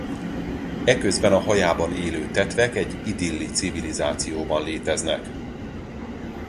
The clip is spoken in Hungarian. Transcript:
Eközben a hajában élő tetvek egy idilli civilizációban léteznek.